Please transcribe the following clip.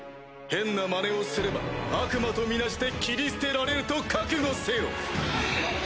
変なまねをすれば悪魔と見なして斬り捨てられると覚悟せよ！